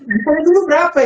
misalnya itu berapa ya